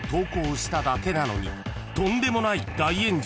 ［とんでもない大炎上］